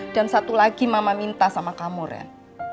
dan satu lagi mama minta sama kamu ren